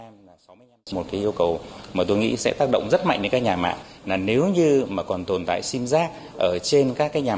một yêu cầu mà tôi nghĩ sẽ tác động rất mạnh đến các nhà mạng là nếu như còn tồn tại sim rác